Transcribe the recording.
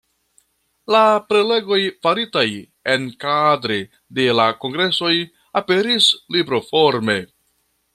La prelegoj, faritaj enkadre de la kongresoj, aperis libroforme.